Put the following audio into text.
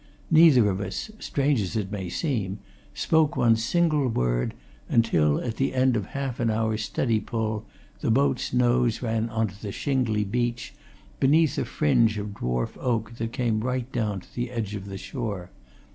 Neither of us strange as it may seem spoke one single word until, at the end of half an hour's steady pull, the boat's nose ran on to the shingly beach, beneath a fringe of dwarf oak that came right down to the edge of the shore.